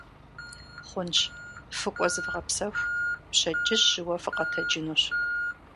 Хъунщ, фыкӀуэ, зывгъэпсэху, пщэдджыжь жьыуэ фыкъэтэджынущ.